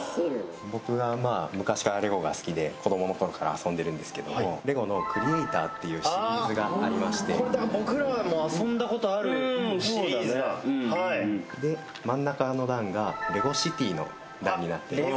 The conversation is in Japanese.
僕がまあ昔からレゴが好きで子どものころから遊んでるんですけどもレゴのクリエイターっていうシリーズがありまして僕らも遊んだことあるシリーズだはいで真ん中の段がレゴシティの段になっています